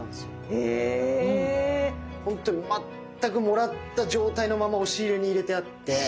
ほんとに全くもらった状態のまま押し入れに入れてあって。